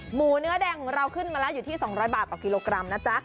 หมูเนื้อแดงของเราขึ้นมาแล้วอยู่ที่๒๐๐บาทต่อกิโลกรัมนะจ๊ะ